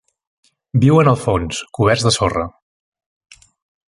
Viuen al fons, coberts de sorra.